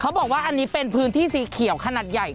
บอกว่าอันนี้เป็นพื้นที่สีเขียวขนาดใหญ่